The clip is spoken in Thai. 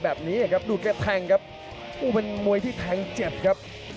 อัดหนีดูแก๊มแทงครับมุนเมย์ที่แทงเจ็บครับ